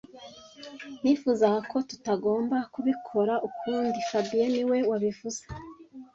Nifuzaga ko tutagomba kubikora ukundi fabien niwe wabivuze